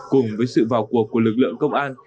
cùng với sự vào cuộc của lực lượng công an